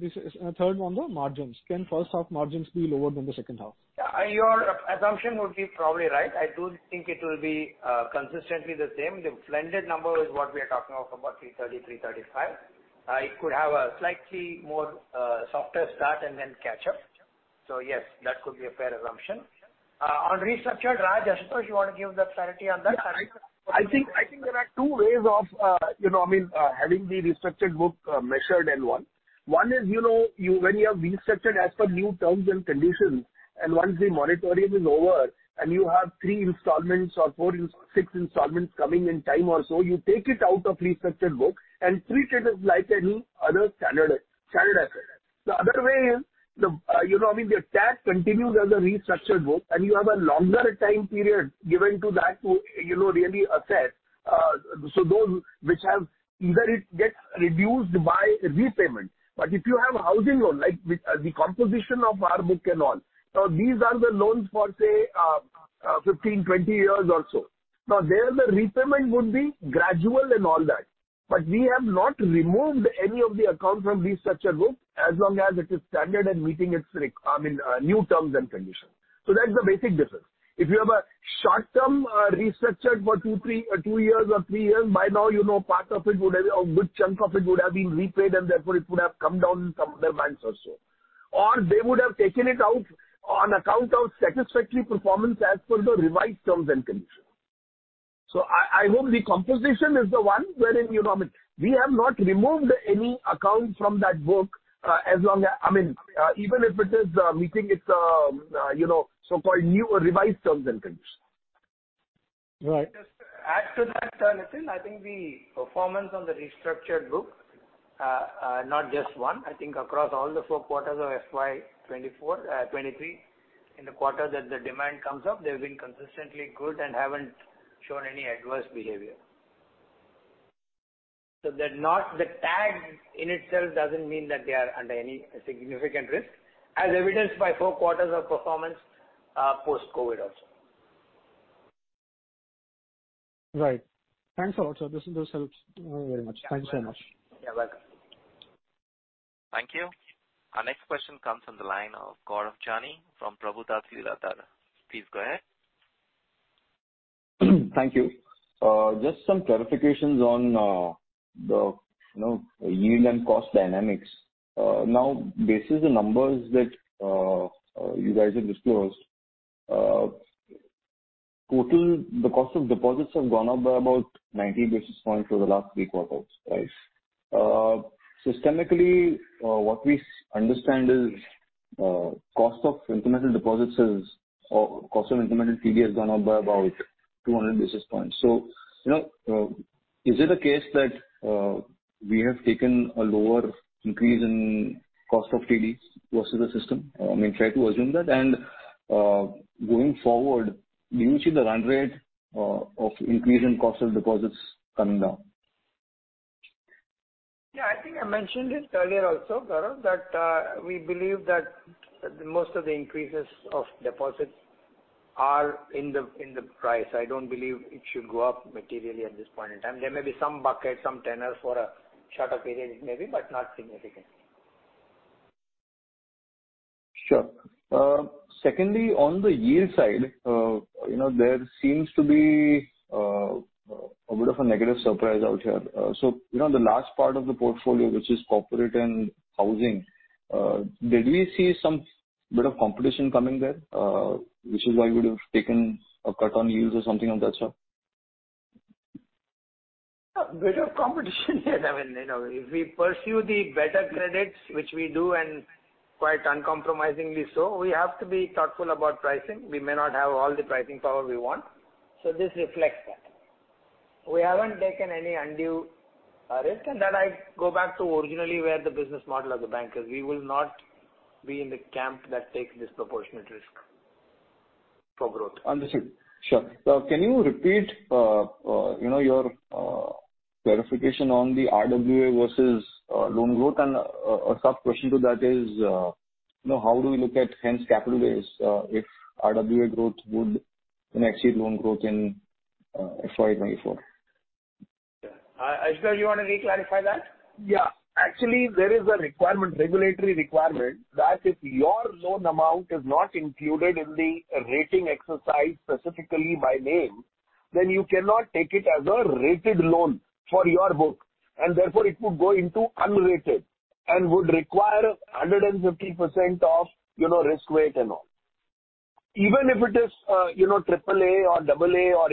This is, and third one, the margins. Can first half margins be lower than the second half? Yeah. Your assumption would be probably right. I do think it will be consistently the same. The blended number is what we are talking of, about 330-335. It could have a slightly more softer start and then catch up. Yes, that could be a fair assumption. On restructured, Raj, Ashutosh, you wanna give the clarity on that? Yeah. I think there are two ways of, you know, I mean, having the restructured book, measured and one. One is, you know, when you have restructured as per new terms and conditions, and once the moratorium is over and you have three installments or six installments coming in time or so, you take it out of restructured book and treat it as like any other standard asset. The other way is the, you know, I mean, the tag continues as a restructured book, and you have a longer time period given to that to, you know, really assess, so those which have either it gets reduced by repayment. If you have housing loan, like with the composition of our book and all, these are the loans for say, 15, 20 years or so. There the repayment would be gradual and all that. We have not removed any of the account from restructured group as long as it is standard and meeting its I mean, new terms and conditions. That's the basic difference. If you have a short-term, restructured for two, three, two years or three years, by now, you know, part of it would have a good chunk of it would have been repaid, and therefore it would have come down some other months or so. They would have taken it out on account of satisfactory performance as per the revised terms and conditions. I hope the composition is the one wherein, you know, I mean, we have not removed any account from that book, as long as... I mean, even if it is, meeting its, you know, so-called new or revised terms and conditions. Right. Just to add to that, Nitin, I think the performance on the restructured book, not just one, I think across all the Q4 of FY 2024, 2023, in the quarter that the demand comes up, they've been consistently good and haven't shown any adverse behavior. They're not the tag in itself doesn't mean that they are under any significant risk, as evidenced by Q4 of performance, post-COVID also. Right. Thanks a lot, sir. This helps very much. Thanks so much. You are welcome. Thank you. Our next question comes from the line of Gaurav Jani from Prabhudas Lilladher. Please go ahead. Thank you. Just some clarifications on the, you know, yield and cost dynamics. Now, basis the numbers that you guys have disclosed, total the cost of deposits have gone up by about 90 basis points over the last Q3, right? Systemically, what we understand is cost of incremental deposits is, or cost of incremental TD has gone up by about 200 basis points. So, you know, is it a case that we have taken a lower increase in cost of TDs versus the system? I mean, try to assume that. And, going forward, do you see the run rate of increase in cost of deposits coming down? Yeah, I think I mentioned it earlier also, Gaurav, that, we believe that most of the increases of deposits are in the, in the price. I don't believe it should go up materially at this point in time. There may be some bucket, some tenor for a shorter period it may be, but not significantly. Sure. Secondly, on the yield side, you know, there seems to be a bit of a negative surprise out here. You know, the last part of the portfolio, which is corporate and housing, did we see some bit of competition coming there, which is why you would have taken a cut on yields or something of that sort? A bit of competition. I mean, you know, if we pursue the better credits, which we do, and quite uncompromisingly so, we have to be thoughtful about pricing. We may not have all the pricing power we want. This reflects that. We haven't taken any undue risk. I go back to originally where the business model of the bank is. We will not be in the camp that takes disproportionate risk for growth. Understood. Sure. Can you repeat, you know, your clarification on the RWA versus loan growth? A sub-question to that is, you know, how do we look at hence capital raise if RWA growth would exceed loan growth in FY 2024? Ashok, you wanna re-clarify that? Yeah. Actually, there is a requirement, regulatory requirement, that if your loan amount is not included in the rating exercise specifically by name, then you cannot take it as a rated loan for your book, and therefore it would go into unrated and would require 150% of, you know, risk weight and all. Even if it is, you know, triple A or double A or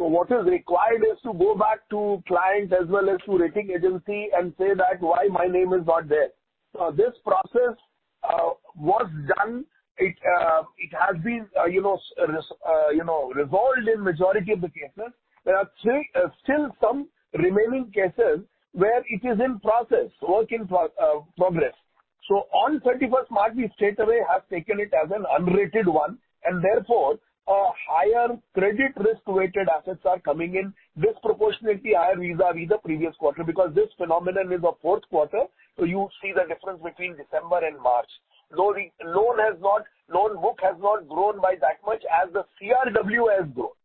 A. What is required is to go back to client as well as to rating agency and say that why my name is not there. This process was done. It has been, you know, resolved in majority of the cases. There are still some remaining cases where it is in process, work in progress. On 31st March, we straightaway have taken it as an unrated one, and therefore a higher credit risk-weighted assets are coming in disproportionately higher vis-à-vis the previous quarter because this phenomenon is a Q4, so you see the difference between December and March. Though the loan book has not grown by that much as the CRW has grown.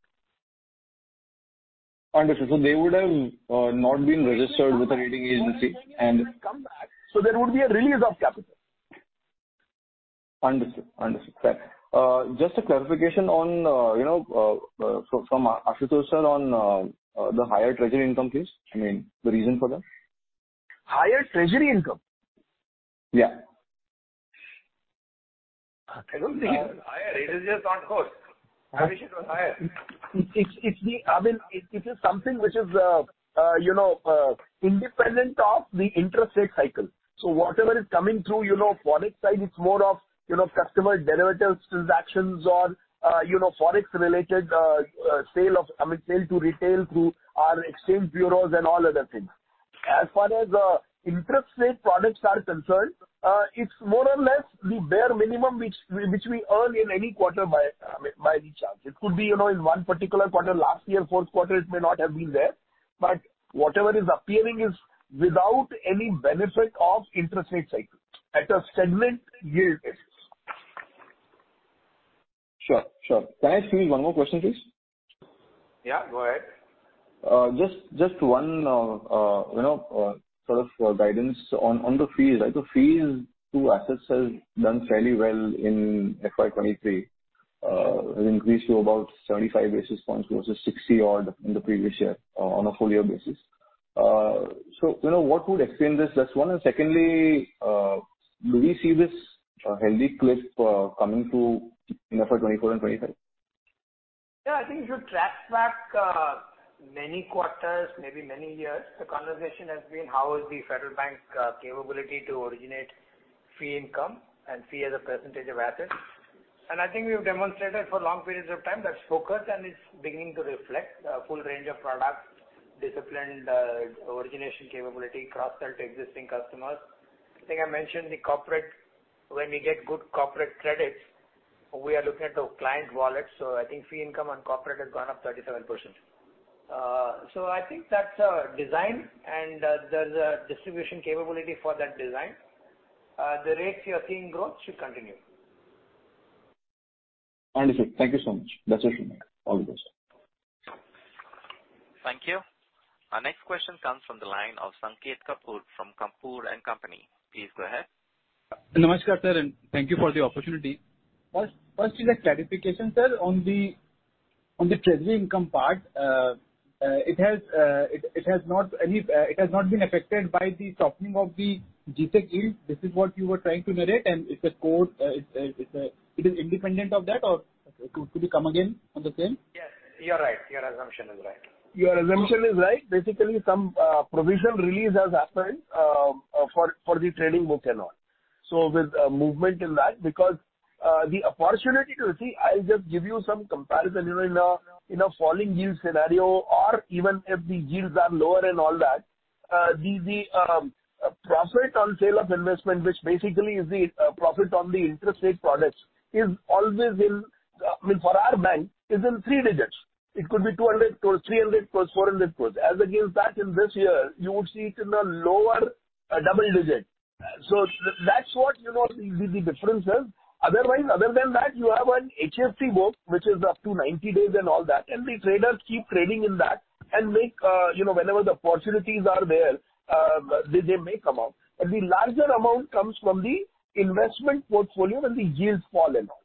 Understood. They would have not been registered with the rating agency. There would be a release of capital. Understood. Understood. Right. just a clarification on, you know, from Ashutosh on the higher treasury income, please. I mean, the reason for that. Higher treasury income? Yeah. I don't think. Higher. It is just on cost. Commission was higher. It's the I mean, it is something which is, you know, independent of the interest rate cycle. Whatever is coming through, you know, Forex side, it's more of, you know, customer derivatives transactions or, you know, Forex-related, sale of, I mean, sale to retail through our exchange bureaus and all other things. As far as interest rate products are concerned, it's more or less the bare minimum which we earn in any quarter by recharge. It could be, you know, in one particular quarter last year, Q4, it may not have been there. Whatever is appearing is without any benefit of interest rate cycle at a segment yield basis. Sure. Sure. Can I squeeze one more question, please? Yeah, go ahead. Just one, you know, sort of guidance on the fee. Like, the fee is to assets has done fairly well in FY 2023, has increased to about 75 basis points versus 60 odd in the previous year on a full year basis. You know, what would explain this? That's one. Secondly, do we see this healthy clip coming to in FY 2024 and FY 2025? Yeah, I think if you track back, many quarters, maybe many years, the conversation has been how is the Federal Bank's capability to originate fee income and fee as a percentage of assets. I think we've demonstrated for long periods of time that's focus and it's beginning to reflect a full range of products, disciplined origination capability, cross-sell to existing customers. I think I mentioned the corporate, when we get good corporate credits, we are looking at the client wallet. I think fee income on corporate has gone up 37%. I think that's a design and there's a distribution capability for that design. The rates you're seeing grow should continue. Wonderful. Thank you so much. That's it from my end. All the best. Thank you. Our next question comes from the line of Sanket Kapoor from Kapoor and Company. Please go ahead. Namaskar, sir. Thank you for the opportunity. First is a clarification, sir, on the treasury income part. It has not been affected by the softening of the G-Sec yield. This is what you were trying to narrate, and it's a core, it's a... It is independent of that or could it come again on the same? Yes, you're right. Your assumption is right. Your assumption is right. Basically, some provision release has happened for the trading book and all. With a movement in that, because the opportunity to see, I'll just give you some comparison. You know, in a falling yield scenario or even if the yields are lower and all that, the profit on sale of investment, which basically is the profit on the interest rate products, is always, I mean, for our bank, is in three digits. It could be 200 crores, 300 crores, 400 crores. As against that in this year, you would see it in a lower double digit. That's what, you know, the difference is. Otherwise, other than that, you have an HFT book, which is up to 90 days and all that. The traders keep trading in that and make, you know, whenever the opportunities are there, they make amount. The larger amount comes from the investment portfolio when the yields fall and all.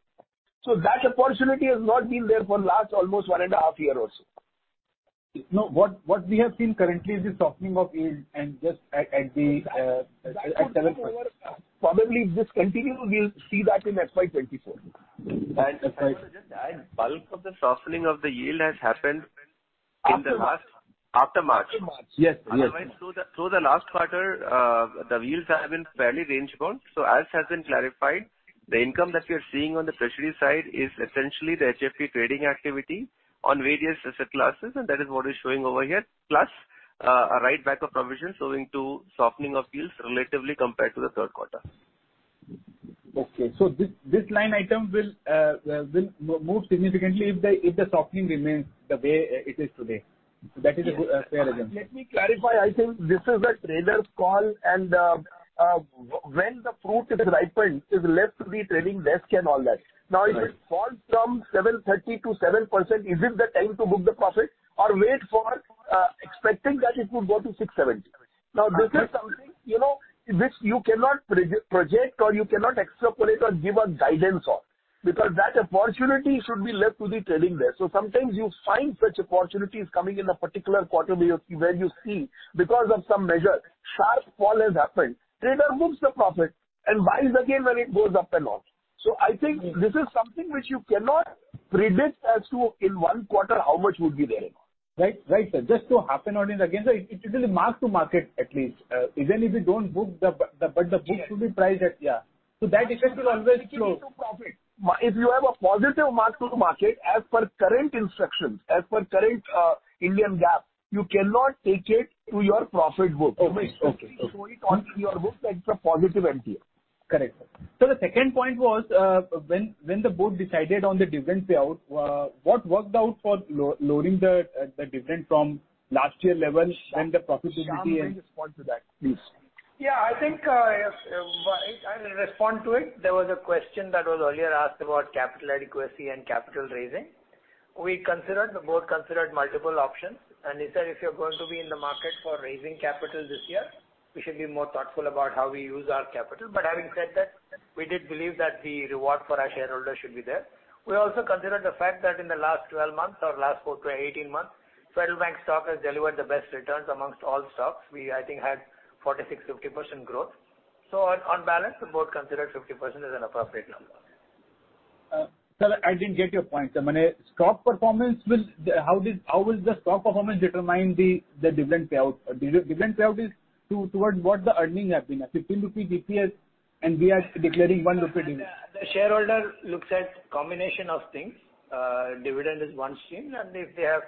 That opportunity has not been there for last almost one and a half year or so. No, what we have seen currently is the softening of yield and just at the teleports. Probably if this continues, we'll see that in FY 2024. Can I just add, bulk of the softening of the yield has happened in the last... After March. After March. After March. Yes. Yes. Through the last quarter, the yields have been fairly range bound. As has been clarified, the income that we are seeing on the treasury side is essentially the HFT trading activity on various asset classes, and that is what is showing over here. A write back of provision owing to softening of yields relatively compared to the Q3. Okay. this line item will move significantly if the softening remains the way it is today. That is a good, fair assumption. Let me clarify. I think this is a trader's call and, when the fruit is ripened, is left to the trading desk and all that. Right. If it falls from 730 to 7%, is it the time to book the profit or wait for expecting that it would go to 670? This is something, you know, which you cannot project or you cannot extrapolate or give a guidance on. That opportunity should be left to the trading desk. Sometimes you find such opportunities coming in a particular quarter where you see because of some measure, sharp fall has happened. Trader moves the profit and buys again when it goes up and all. I think this is something which you cannot predict as to in Q1 how much would be there and all. Right. Right, sir. Just to happen on it again, sir, it will mark to market at least. even if you don't book the book should be priced at, yeah. That effect will always show. It will be to profit. If you have a positive mark to market as per current instructions, as per current, Indian GAAP, you cannot take it to your profit book. Okay. Okay. You show it on your book that it's a positive NPA. Correct. The second point was, when the board decided on the dividend payout, what worked out for loading the dividend from last year level when the profitability. Shyam will respond to that, please. Yeah, I think, if, I'll respond to it. There was a question that was earlier asked about capital adequacy and capital raising. We considered, the board considered multiple options and we said if you're going to be in the market for raising capital this year, we should be more thoughtful about how we use our capital. Having said that, we did believe that the reward for our shareholders should be there. We also considered the fact that in the last 12 months or last four to 18 months, Federal Bank stock has delivered the best returns amongst all stocks. We, I think, had 46, 50% growth. On balance, the board considered 50% as an appropriate number. sir, I didn't get your point. I mean, stock performance how will the stock performance determine the dividend payout? Dividend payout is towards what the earnings have been. A 15 rupee DPS. we are declaring 1 rupee dividend. The shareholder looks at combination of things. Dividend is one stream. If they have,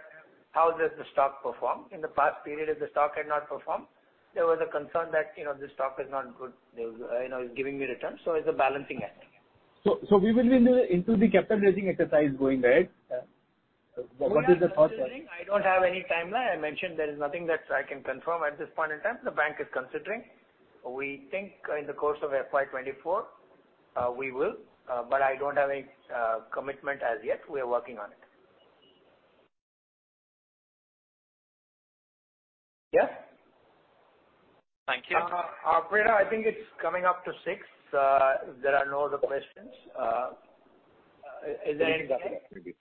how does the stock perform? In the past period, if the stock had not performed, there was a concern that, you know, this stock is not good. You know, it's giving me returns. It's a balancing act. We will be into the capital raising exercise going ahead. Yeah. What is the thought process? I don't have any timeline. I mentioned there is nothing that I can confirm at this point in time. The bank is considering. We think in the course of FY 2024, we will. I don't have any commitment as yet. We are working on it. Yes. Thank you. Operator, I think it's coming up to six. If there are no other questions, is there anything? Maybe.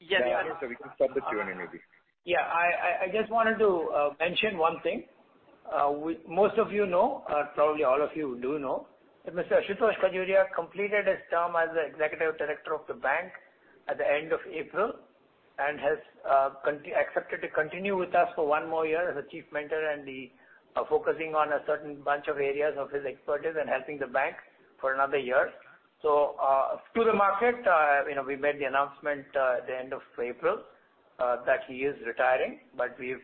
Yes. We can start the Q&A maybe. I just wanted to mention one thing. Most of you know, probably all of you do know that Mr. Ashutosh Khajuria completed his term as the Executive Director of the bank at the end of April and has accepted to continue with us for one more year as a Chief Mentor and be focusing on a certain bunch of areas of his expertise and helping the bank for another year. To the market, you know, we made the announcement at the end of April, that he is retiring, but we've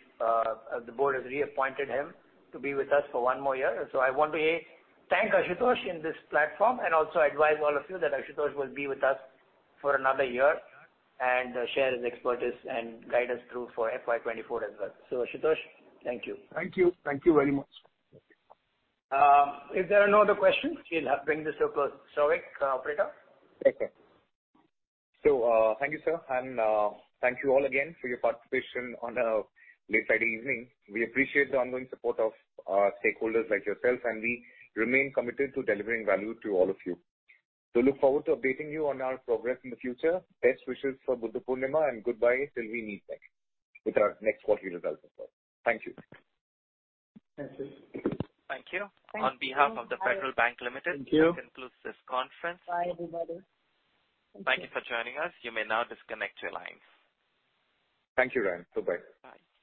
the board has reappointed him to be with us for one more year. I want to, A, thank Ashutosh in this platform and also advise all of you that Ashutosh will be with us for another year and share his expertise and guide us through for FY 2024 as well. Ashutosh, thank you. Thank you. Thank you very much. If there are no other questions, we'll bring this to a close. Souvik, operator. Okay. Thank you, sir, and thank you all again for your participation on a late Friday evening. We appreciate the ongoing support of our stakeholders like yourself, and we remain committed to delivering value to all of you. Look forward to updating you on our progress in the future. Best wishes for Buddha Purnima, and goodbye till we meet next with our next quarter results as well. Thank you. Thank you. Thank you. On behalf of The Federal Bank Limited- Thank you. This concludes this conference. Bye, everybody. Thank you for joining us. You may now disconnect your lines. Thank you, Ryan. Bye-bye. Bye.